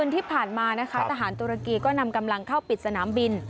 ที่ผ่านมานะคะทหารตุรกีก็นำกำลังเข้าปิดสนามบิน